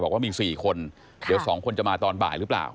บอกว่ามี๔คนเดี๋ยว๒คนจะมาตอนบ่ายหรือเปล่า